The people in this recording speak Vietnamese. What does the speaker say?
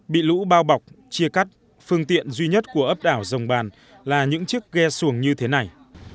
bị lũ bao bọc chia cắt phương tiện duy nhất của ấp đảo dòng bàn là những chiếc ghe xuồng như thế này